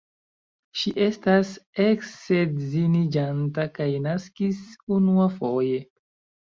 Ŝi estas eksedziniĝanta kaj naskis unuafoje.